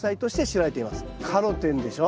カロテンでしょ。